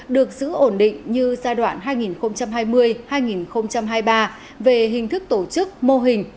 được giữ ổn định như giai đoạn hai nghìn hai mươi hai nghìn hai mươi ba về hình thức tổ chức mô hình